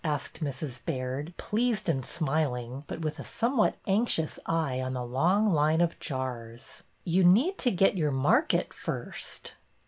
asked Mrs. Baird, pleased and smiling, but with a somewhat anxious eye on the long line of jars. You need to get your market first."